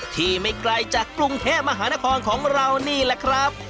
ไม่ไกลจากกรุงเทพมหานครของเรานี่แหละครับ